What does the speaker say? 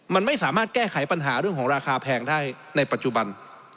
มันไม่สามารถแก้ไขปัญหาเรื่องของราคาแพงได้ในปัจจุบัน